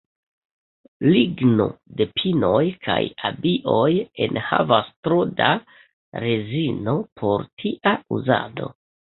Ligno de pinoj kaj abioj enhavas tro da rezino por tia uzado.